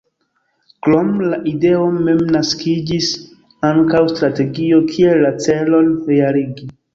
Krom la ideo mem naskiĝis ankaŭ strategio kiel la celon realigi.